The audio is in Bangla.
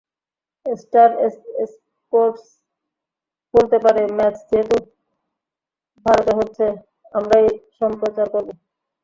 স্টার স্পোর্টস বলতে পারে, ম্যাচ যেহেতু ভারতে হচ্ছে আমরাই সম্প্রচার করব।